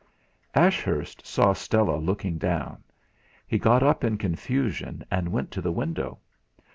Ashurst saw Stella looking down; he got up in confusion, and went to the window.